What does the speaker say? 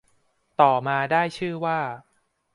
ต่อมาได้ชื่อว่า